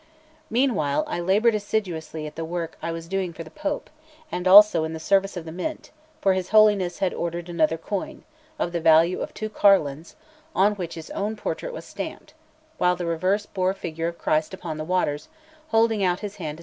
Meanwhile, I laboured assiduously at the work I was doing for the Pope, and also in the service of the Mint; for his Holiness had ordered another coin, of the value of two carlins, on which his own portrait was stamped, while the reverse bore a figure of Christ upon the waters, holding out his hand to S.